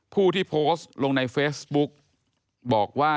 ผู้ที่โพสต์ลงในเฟซบุ๊กบอกว่า